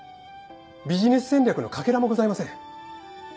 ビジネス戦略のかけらもございません。